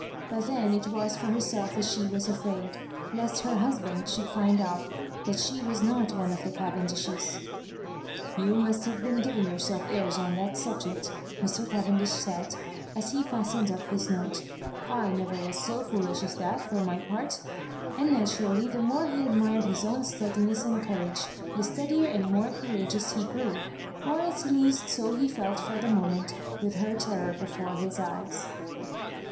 But then it was for her self that she was afraid, lest her husband should find out that she was not one of the Cavendishes. " You must have been giving yourself airs on the subject," Mr. Cavendish said, as he fastened up his note. " I never was so foolish as that, for my part j'* and naturally the more he admired his own steadiness and courage, the steadier and more courageous he grew— or at least so he felt for the moment, with her terror before his eyes.